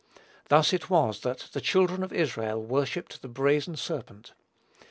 Thus it was that the children of Israel worshipped the brazen serpent.